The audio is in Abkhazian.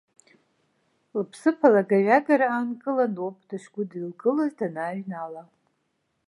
Лыԥсыԥ алагаҩагара аанкыланоуп дышгәыдылкылаз данааҩнала.